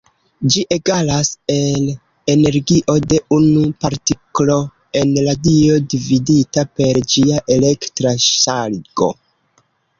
Ĝi egalas el energio de unu partiklo en radio dividita per ĝia elektra ŝargo.